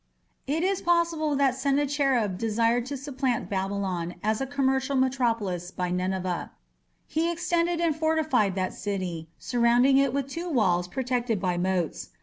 " It is possible that Sennacherib desired to supplant Babylon as a commercial metropolis by Nineveh. He extended and fortified that city, surrounding it with two walls protected by moats.